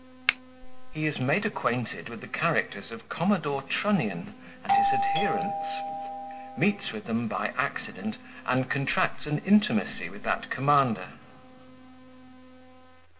He is made acquainted with the Characters of Commodore Trunnion and his Adherents Meets with them by Accident, and contracts an Intimacy with that Commander.